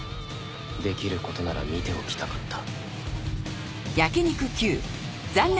できることなら見ておきたかった。